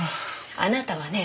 あなたはね